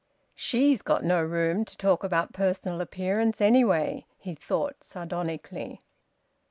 "She's got no room to talk about personal appearance, anyway!" he thought sardonically.